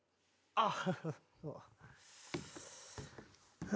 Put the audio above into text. あっ。